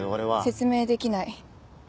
「説明できない」。